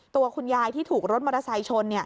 ตัวคุณยายที่ถูกรถมอเตอร์ไซค์ชน